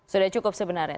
sudah cukup sebenarnya